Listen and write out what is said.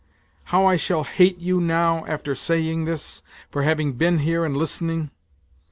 How I shall hate you now after saying this, for having been here and listening.